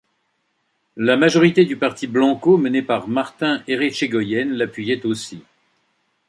La majorité du Parti blanco, menée par Martín Errechegoyen, l'appuyait aussi.